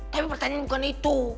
tapi pertanyaan bukan itu